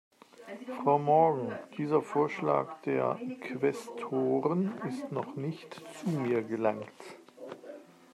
Frau Morgan, dieser Vorschlag der Quästoren ist noch nicht zu mir gelangt.